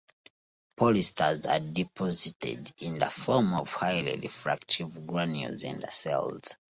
Polyesters are deposited in the form of highly refractive granules in the cells.